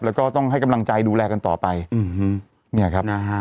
แล้วก็ต้องให้กำลังใจดูแลกันต่อไปอืมเนี่ยครับนะฮะ